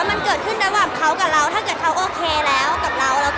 อเรนนี่ต้องระวังมากเลยใครต้องระวัง